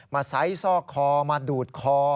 มาไซซอกคอมาดูดคอ